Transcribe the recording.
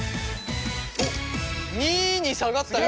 ２に下がったよ。